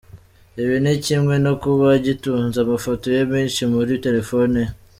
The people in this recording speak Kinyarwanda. Ibi ni kimwe no kuba agitunze amafoto ye menshi muri telephone ye.